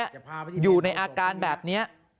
อยู่ในอาการแบบนี้